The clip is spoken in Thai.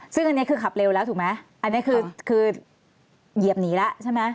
ซึ่งอันนี้คือขับเร็วแล้วถูกไหมอันนี้คือคือเหยียบหนีแล้วใช่ไหม